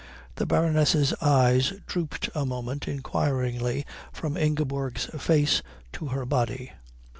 The Baroness's eyes drooped a moment inquiringly from Ingeborg's face to her body.